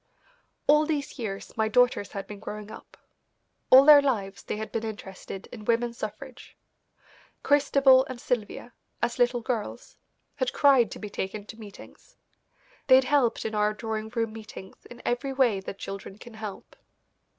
All these years my daughters had been growing up. All their lives they had been interested in women's suffrage. Christabel and Sylvia, as little girls, had cried to be taken to meetings. They had helped in our drawing room meetings in every way that children can help.